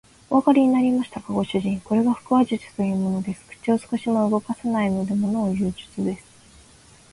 おわかりになりましたか、ご主人。これが腹話術というものです。口を少しも動かさないでものをいう術です。